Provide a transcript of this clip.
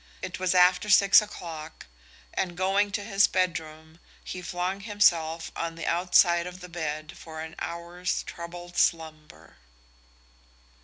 It was after six o'clock, and going to his bedroom he flung himself on the outside of the bed for an hour's troubled slumber.